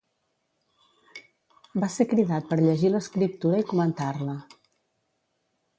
Va ser cridat per llegir l'Escriptura i comentar-la.